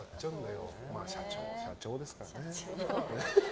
社長ですからね。